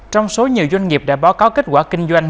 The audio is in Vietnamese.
trong số nhiều doanh nghiệp đã báo cáo kết quả kinh doanh